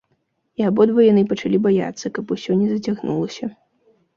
І абодва яны пачалі баяцца, каб усё не зацягнулася.